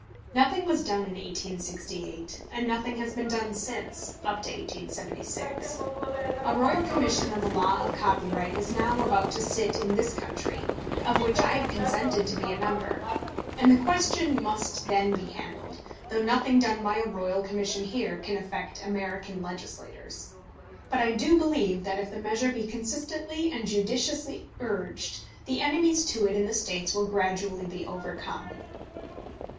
Nothing was done in 1868, and nothing has been done since (up to 1876). A Royal Commission on the law of copyright is now about to sit in this country, of which I have consented to be a member; and the question must then be handled, though nothing done by a Royal Commission here can affect American legislators. But I do believe that if the measure be consistently and judiciously urged, the enemies to it in the States will gradually be overcome.